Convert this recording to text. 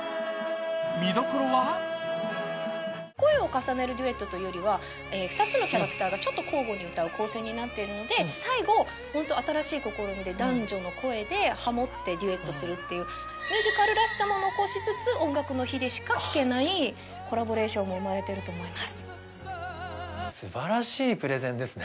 見どころは声を重ねるデュエットというよりは、２つのキャラクターが交互に歌う構成になっているので、最後本当に新しい試みで男女の声でハモってデュエットするというミュージカルらしさも残しつつ、「音楽の日」にしか聴けないコラボになっていると思います。